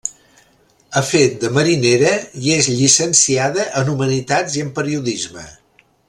Ha fet de marinera i és llicenciada en humanitats i en periodisme.